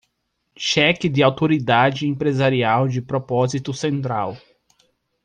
Cheque de autoridade empresarial de propósito central